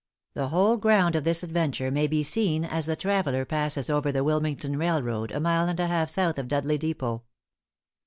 The whole ground of this adventure may be seen as the traveller passes over the Wilmington railroad, a mile and a half south of Dudley depot.